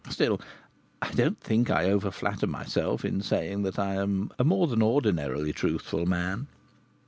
Still, I don't think I over flatter myself in saying that I am a more than ordinarily truthful man.